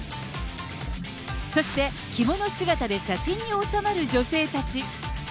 そして、着物姿で写真に収まる女性たち。